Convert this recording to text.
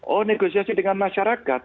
oh negosiasi dengan masyarakat